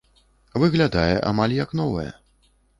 Выглядае амаль як новая.